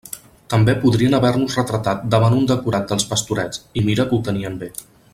També podrien haver-nos retratat davant un decorat dels Pastorets, i mira que ho tenien bé.